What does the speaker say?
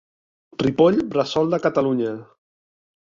Ripoll, bressol de Catalunya.